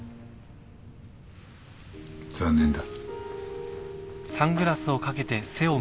残念だ。